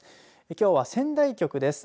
きょうは仙台局です。